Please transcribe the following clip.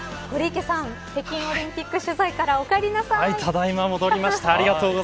堀池さん、北京オリンピック取材からおただいま戻りました。